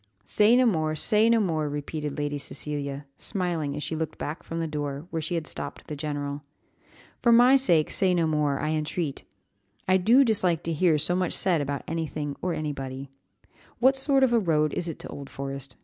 "Say no more, say no more," repeated Lady Cecilia, smiling as she looked back from the door, where she had stopped the general. "For my sake say no more, I entreat, I do dislike to hear so much said about anything or anybody. What sort of a road is it to Old Forest?"